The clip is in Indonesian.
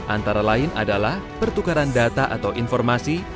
antara lain adalah pertukaran data atau informasi